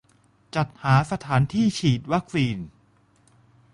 -จัดหาสถานที่ฉีดวัคซีน